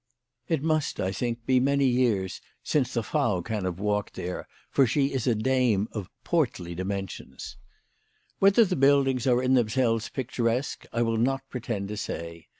It must, I think, be many years since the 10 WHY FRAU FROHMAOT RAISED HER PRICES. Frau can liave walked there, for she is a dame of portly dimensions. Whether the buildings are in themselves picturesque I will not pretend to say.